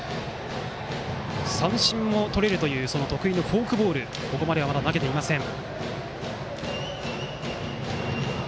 三振もとれるという得意のフォークボールここまでは、まだ投げていません。